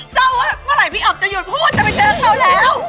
เศร้าอะเมื่อไหร่พี่อับจะหยุดพูดจะไปเจอกับเราแล้ว